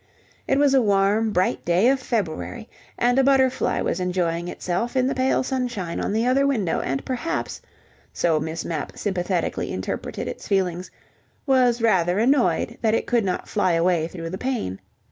... It was a warm, bright day of February, and a butterfly was enjoying itself in the pale sunshine on the other window, and perhaps (so Miss Mapp sympathetically interpreted its feelings) was rather annoyed that it could not fly away through the pane.